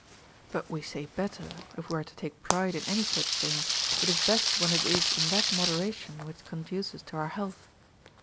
* But we say better, if we are to take pride in any such thing, it is best when it is in that moderation which conduces to our health.